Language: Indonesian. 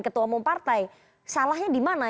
ketua umum partai salahnya di mana